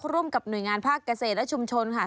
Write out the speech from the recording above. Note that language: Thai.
ร่วมกับหน่วยงานภาคเกษตรและชุมชนค่ะ